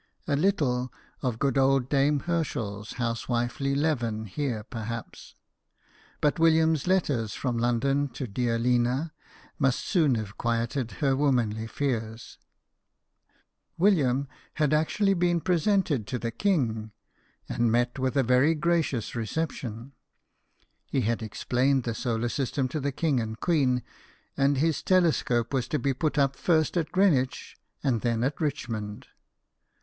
(A little of good old dame Herschel's housewifely leaven here, perhaps.) But William's letters from London to "Dear Lina" must soon have quieted her womanly fears. William had io8 BIOGRAPHIES OF WORKING MEN. actually been presented to the king, and " met with a very gracious reception." He had explained the solar system to the king and queen, and his telescope was to be put up first at Greenwich and then at Richmond.